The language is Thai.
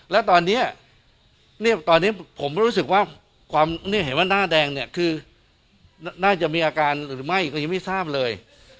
ถ้าตอนนี้ผมรู้สึกว่าความเห็นว่าหน้าแดงคือน่าจะมีอาการหรือไม่ก็ยังไม่ทราบเลย